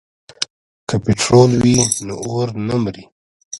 که پټرول وي نو اور نه مري.